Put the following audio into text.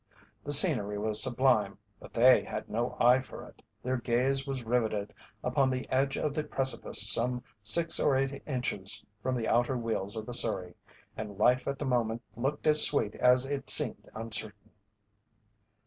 The scenery was sublime, but they had no eye for it. Their gaze was riveted upon the edge of the precipice some six or eight inches from the outer wheels of the surrey, and life at the moment looked as sweet as it seemed uncertain.